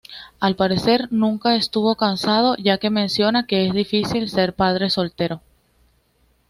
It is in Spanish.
Al parecer nunca estuvo casado, ya que menciona que "Es difícil ser padre soltero".